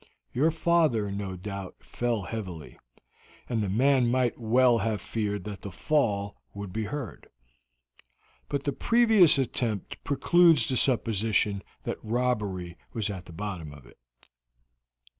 Your father, no doubt, fell heavily, and the man might well have feared that the fall would be heard; but the previous attempt precludes the supposition that robbery was at the bottom of it.